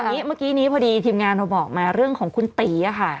เมื่อกี้นี้พอดีทีมงานเราบอกมาเรื่องของคุณตีค่ะ